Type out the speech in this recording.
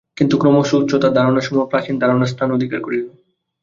কিন্তু ক্রমশ উচ্চতর ধারণাসমূহ প্রাচীন ধারণার স্থান অধিকার করিল।